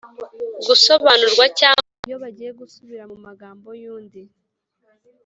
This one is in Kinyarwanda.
gusobanurwa cyangwa iyo bagiye gusubira mu magambo y‟undi.